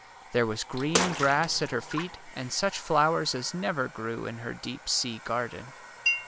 There was green grass at her feet, and such flowers as never grew in her deep sea garden.